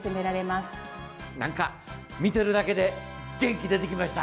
何か見てるだけで元気出てきました！